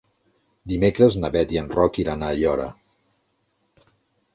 Dimecres na Beth i en Roc iran a Aiora.